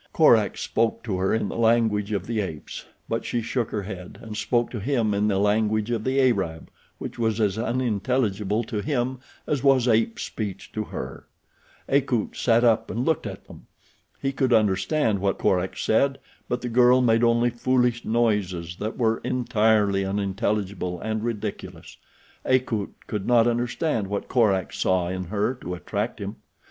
Korak spoke to her in the language of the apes; but she shook her head, and spoke to him in the language of the Arab, which was as unintelligible to him as was ape speech to her. Akut sat up and looked at them. He could understand what Korak said but the girl made only foolish noises that were entirely unintelligible and ridiculous. Akut could not understand what Korak saw in her to attract him.